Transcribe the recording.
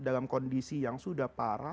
dalam kondisi yang tidak berhenti menangis